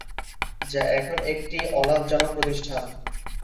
যা এখন একটি অলাভজনক প্রতিষ্ঠান।